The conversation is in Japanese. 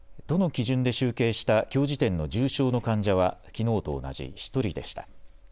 都の基準で集計したきょう時点の重症の患者はきのうと同じ１人でした。